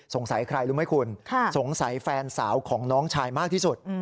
ใครรู้ไหมคุณสงสัยแฟนสาวของน้องชายมากที่สุด